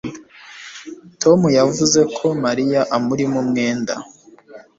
Tom yavuze ko Mariya amurimo umwenda